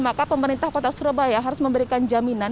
maka pemerintah kota surabaya harus memberikan jaminan